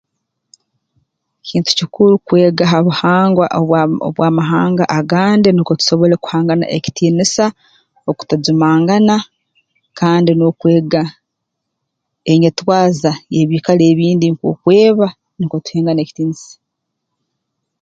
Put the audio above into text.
Kintu kikuru kwega ha buhangwa obw'ama obw'amahanga agandi nukwe tusobole kuhangana ekitiinisa okutajumangana kandi n'okwega enyetwaza y'ebiikaro ebindi nk'oku eba nukwo tuhengana ekitiinisa